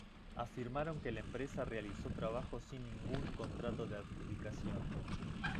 Afirmaron que la empresa realizó trabajos sin ningún contrato de adjudicación.